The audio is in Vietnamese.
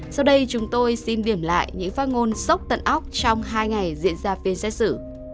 sau đây chúng tôi xin điểm lại những phát ngôn sốc tận óc trong hai ngày diễn ra phiên xét xử